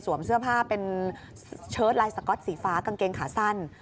เสื้อผ้าเป็นเชิดลายสก๊อตสีฟ้ากางเกงขาสั้น